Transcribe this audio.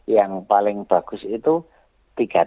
yang paling bagus itu tiga t